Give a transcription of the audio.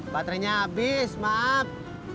baterainya abis maaf